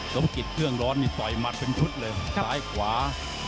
สมกิจเครื่องร้อนนี่ต่อยมัดเป็นชุดเลยซ้ายขวา